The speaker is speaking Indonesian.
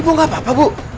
ibu gapapa bu